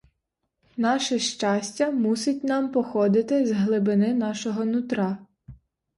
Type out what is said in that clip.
Наше щастя мусить нам походити з глибини нашого нутра.